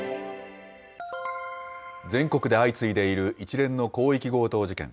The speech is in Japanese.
全国で相次いでいる一連の広域強盗事件。